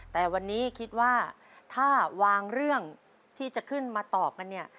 แต่วันนี้คิดว่าถ้าวางเรื่องที่จะขึ้นมาตอบกันเนี่ย